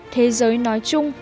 thế giới nói chung